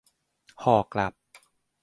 ห่อกลับ